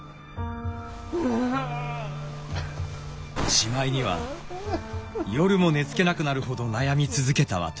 しまいには夜も寝つけなくなるほど悩み続けた私。